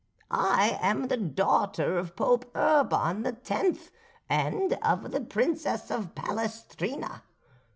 I am the daughter of Pope Urban X, and of the Princess of Palestrina.